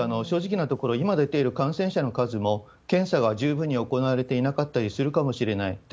正直なところ、今出ている感染者の数も、検査は十分に行われていなかったりするかもしれない。